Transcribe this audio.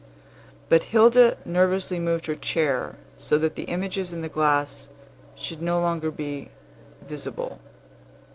But Hilda nervously moved her chair, so that the images in the glass should be no longer Visible.